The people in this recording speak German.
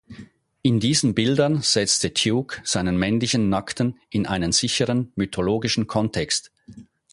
In diesen Bildern setzte Tuke seine männlichen Nackten in einen sicheren mythologischen Kontext.